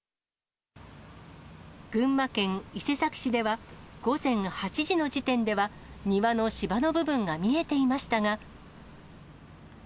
群馬県伊勢崎市では、午前８時の時点では庭の芝の部分が見えていましたが。